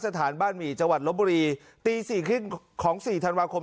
สถานบ้านหมี่จังหวัดลบบุรีตีสี่ครึ่งของสี่ธันวาคม